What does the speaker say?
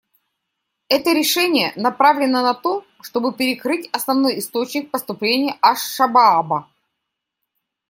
Это решение направлено на то, чтобы перекрыть основной источник поступлений «АшШабааба».